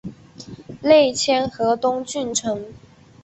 累迁河东郡丞。